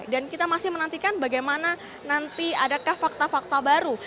dan kita masih menantikan bagaimana nanti adakah fakta fakta baru